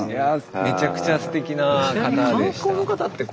めちゃくちゃすてきな方でした。